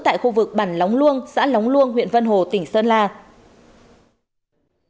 tại khu vực bản lóng luông xã lóng luông huyện vân hồ tỉnh sơn la